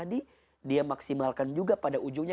tadi dia maksimalkan juga pada ujungnya